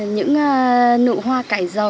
những nụ hoa cải giàu